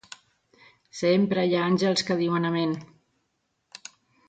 Sempre hi ha àngels que diuen amén.